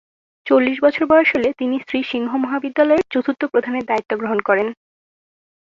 চল্লিশ বছর বয়স হলে তিনি শ্রী সিংহ মহাবিদ্যালয়ের চতুর্থ প্রধানের দায়িত্ব গ্রহণ করেন।